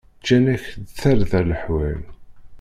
Ǧǧan-ak-d tarda leḥwal.